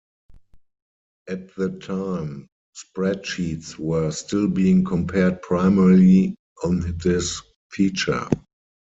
At the time spreadsheets were still being compared primarily on this feature.